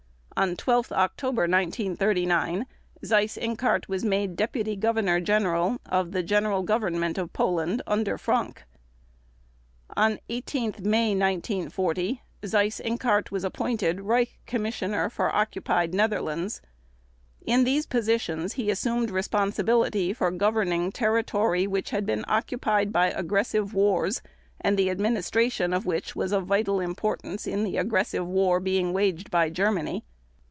On 12 October 1939 Seyss Inquart was made Deputy Governor General of the General Government of Poland under Frank. On 18 May 1940 Seyss Inquart was appointed Reich Commissioner for Occupied Netherlands. In these positions he assumed responsibility for governing territory which had been occupied by aggressive wars and the administration of which was of vital importance in the aggressive war being waged by Germany.